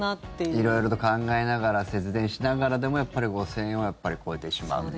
色々と考えながら節電しながらでもやっぱり５０００円は超えてしまう。